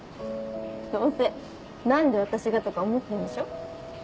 どうせ「何で私が」とか思ってんでしょ？